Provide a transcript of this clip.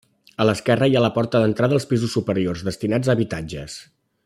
A l'esquerra hi ha la porta d'entrada als pisos superiors, destinats a habitatges.